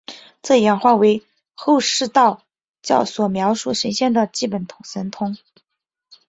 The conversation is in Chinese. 这演化为后世道教所描述神仙的基本神通。